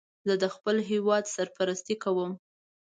زه د خپل هېواد سرپرستی کوم